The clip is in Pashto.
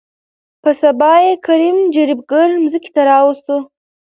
په سبا يې کريم جريب ګر ځمکې ته راوستو.